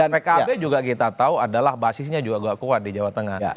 pkb juga kita tahu adalah basisnya juga agak kuat di jawa tengah